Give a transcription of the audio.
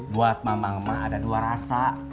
buat mamang mah ada dua rasa